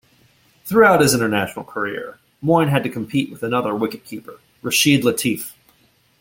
Throughout his international career, Moin had to compete with another wicket-keeper, Rashid Latif.